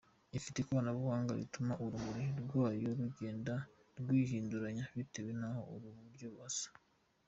Ifite ikoranabuhanga rituma urumuri rwayo rugenda rwihinduranye bitewe n’aho uri uburyo hasa.